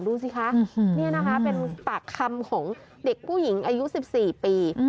ดูสิคะนี่นะคะเป็นปากคำของเด็กผู้หญิงอายุ๑๔ปี